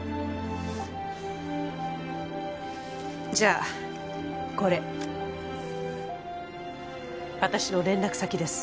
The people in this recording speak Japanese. じゃあこれ私の連絡先です